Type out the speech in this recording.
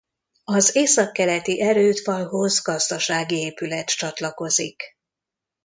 Az északkeleti erődfalhoz gazdasági épület csatlakozik.